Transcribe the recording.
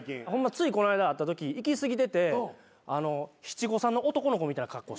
ついこないだ会ったとき行き過ぎてて七五三の男の子みたいな格好してました。